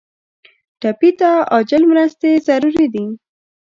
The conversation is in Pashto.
ټپي ته عاجل مرستې ضروري دي.